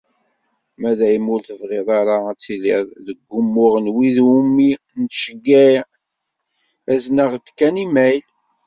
Ma dayen ur tebɣiḍ ara ad tiliḍ deg umuɣ n wid iwumi nettceyyiε, azen-aɣ-d kan imayl.